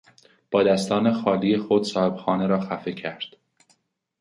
با دستان خالی خود صاحبخانه را خفه کرد.